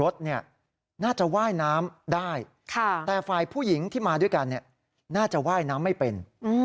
แต่ฝ่ายผู้หญิงที่มาด้วยกันน่าจะว่ายน้ำไม่เป็น